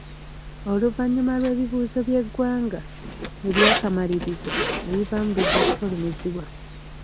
Oluvannyuma lw'ebibuuzo by'eggwanga eby'akamalirizo ebivaamu bijja kufulumizibwa.